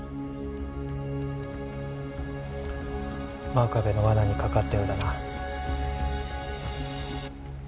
真壁の罠にかかったようだな。